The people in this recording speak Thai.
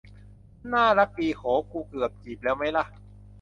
น่ารักดี โห กูเกือบจีบแล้วมั๊ยล่ะ